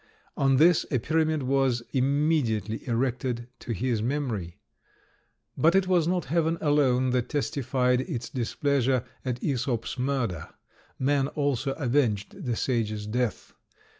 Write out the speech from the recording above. On this a pyramid was immediately erected to his memory. But it was not Heaven alone that testified its displeasure at Æsop's murder; man also avenged the sage's death.